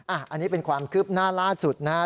อันนี้เป็นความคืบหน้าล่าสุดนะครับ